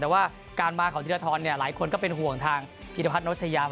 แต่ว่าการมาของธีรธรเนี่ยหลายคนก็เป็นห่วงทางพีทธพัทน์โนชยา